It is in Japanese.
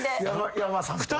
山さんと？